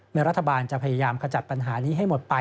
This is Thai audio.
รัฐบาลจะพยายามขจัดปัญหานี้ให้หมดไป